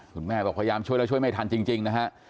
บอกพยายามช่วยแล้วช่วยไม่ทันจริงนะฮะ